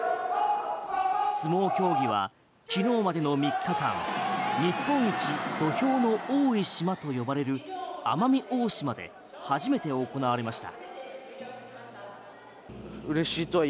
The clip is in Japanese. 相撲競技は昨日までの３日間日本一土俵の多い島と呼ばれる奄美大島で初めて行われました。